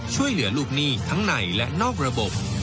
ช่วยเหลือลูกหนี้ทั้งในและนอกระบบ